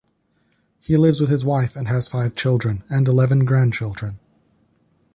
He lives with his wife and has five children and eleven grandchildren.